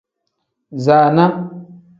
Zaana.